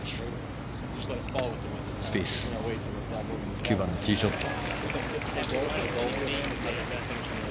スピース９番のティーショット。